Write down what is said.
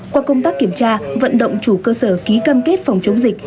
qua công tác kiểm tra vận động chủ cơ sở ký cam kết phòng chống dịch